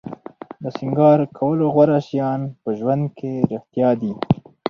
د سینګار کولو غوره شیان په ژوند کې رښتیا دي.